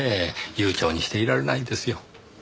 悠長にしていられないんですよ。